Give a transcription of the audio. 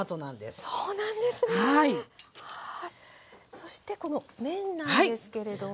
そしてこの麺なんですけども。